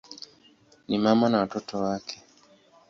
Ni mama na watoto wake.